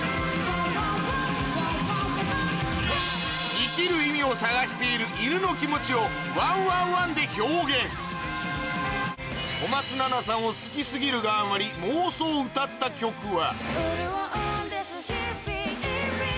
生きる意味を探している犬の気持ちを小松菜奈さんを好き過ぎるがあまり妄想を歌った曲は